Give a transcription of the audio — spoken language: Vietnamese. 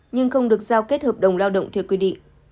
nhưng không được giao kết hợp đồng lao động theo quy định